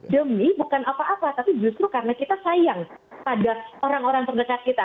demi bukan apa apa tapi justru karena kita sayang pada orang orang terdekat kita